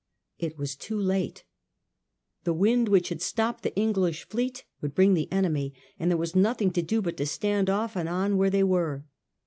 It was too late. The wind which had stopped the English fleet would bring the enemy, and there was nothing to do but to stand off and on where they were.